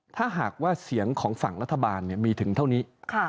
ถ้าหากว่าเสียงของฝั่งรัฐบาลมีถึงเท่านี้